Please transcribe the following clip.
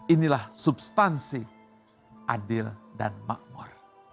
inilah substansi adil dan makmur